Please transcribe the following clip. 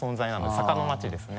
坂の町ですね。